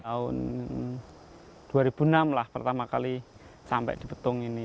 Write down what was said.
tahun dua ribu enam lah pertama kali sampai di petung ini